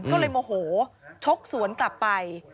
ก็เลยโมโหชกสวนกลับไป